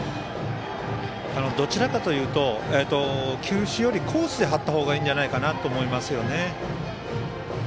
どちらかというと球種よりコースで張ったほうがいいんじゃないかなと思いますね。